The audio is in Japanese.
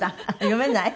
読めない？